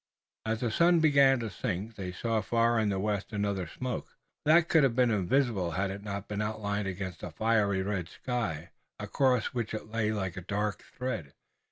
As the sun began to sink they saw far in the west another smoke, that would have been invisible had it not been outlined against a fiery red sky, across which it lay like a dark thread.